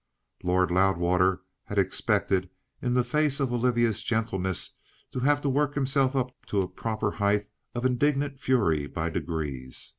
Lord Loudwater had expected, in the face of Olivia's gentleness, to have to work himself up to a proper height of indignant fury by degrees.